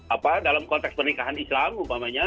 apa dalam konteks pernikahan islam umpamanya